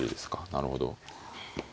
なるほど。